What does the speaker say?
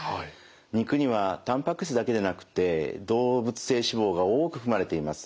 肉にはたんぱく質だけじゃなくて動物性脂肪が多く含まれています。